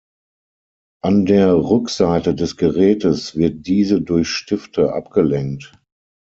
An der Rückseite des Gerätes wird diese durch Stifte abgelenkt.